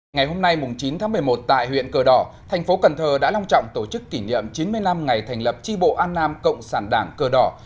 ngày hôm nay chín tháng một mươi một tại huyện cờ đỏ thành phố cần thơ đã long trọng tổ chức kỷ niệm chín mươi năm ngày thành lập tri bộ an nam cộng sản đảng cờ đỏ